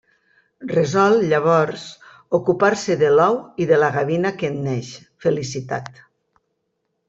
Resol llavors ocupar-se de l'ou i de la gavina que en neix, Felicitat.